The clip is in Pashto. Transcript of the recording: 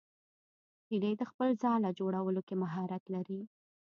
هیلۍ د خپل ځاله جوړولو کې مهارت لري